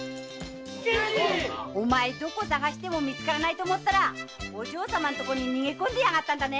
お前どこ探しても見つからないと思ったらお嬢様ん所に逃げ込んでいやがったんだね！